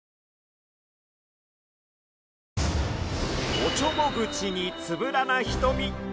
おちょぼ口につぶらな瞳。